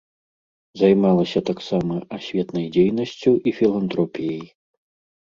Займалася таксама асветнай дзейнасцю і філантропіяй.